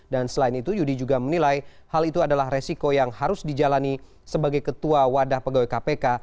dan selain itu yudi juga menilai hal itu adalah resiko yang harus dijalani sebagai ketua wadah pegawai kpk